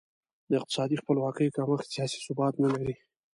د اقتصادي خپلواکي کمښت سیاسي ثبات نه لري.